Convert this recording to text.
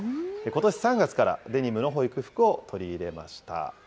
ことし３月からデニムの保育服を取り入れました。